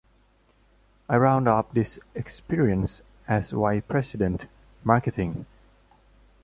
I rounded off this experience as vice-president, marketing.